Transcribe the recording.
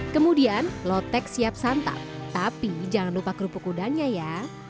kemudian lotek siap santap tapi jangan lupa kerupuk udangnya ya